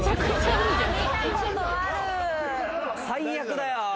最悪だよ。